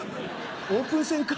オープン戦か？